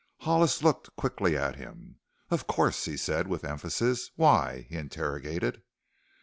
Hollis looked quickly at him. "Of course!" he said with emphasis. "Why?" he interrogated.